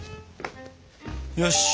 よし！